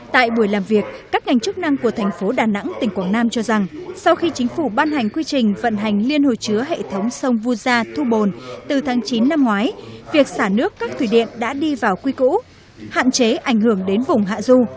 tại buổi làm việc các ngành chức năng của thành phố đà nẵng tỉnh quảng nam cho rằng sau khi chính phủ ban hành quy trình vận hành liên hồi chứa hệ thống sông vu gia thu bồn từ tháng chín năm ngoái việc xả nước các thủy điện đã đi vào quy cũ hạn chế ảnh hưởng đến vùng hạ du